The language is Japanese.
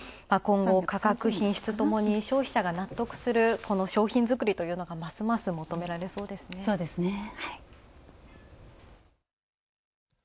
今後、価格・品質ともに消費者が納得する商品作りというのがますます求められそうですね